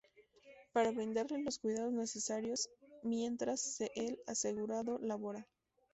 Para brindarles los cuidados necesarios mientras se el asegurado labora.